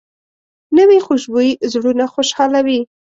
نوې خوشبويي زړونه خوشحالوي